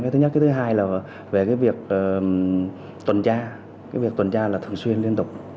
thứ nhất thứ hai là về cái việc tuần tra việc tuần tra là thường xuyên liên tục